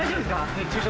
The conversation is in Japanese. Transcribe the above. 熱中症。